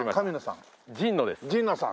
神野さん？